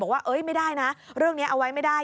ว่าไม่ได้นะเรื่องนี้เอาไว้ไม่ได้